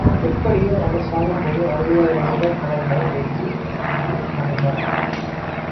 எப்படியோ அவர் சாகும்போது அறுபதாயிரம் ரூபாய் கடன்களை வைத்து விட்டு மறைந்தார்.